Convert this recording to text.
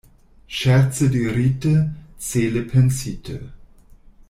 Ŝerce dirite, cele pensite.